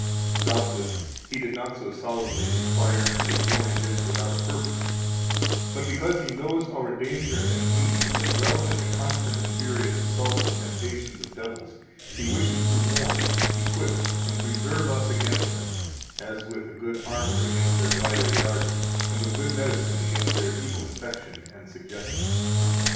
Doubtless He did not so solemnly require and enjoin this without a purpose; but because He knows our danger and need, as well as the constant and furious assaults and temptations of devils, He wishes to warn, equip, and preserve us against them, as with a good armor against their fiery darts and with good medicine against their evil infection and suggestion.